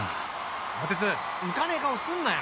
熊徹浮かねえ顔すんなよ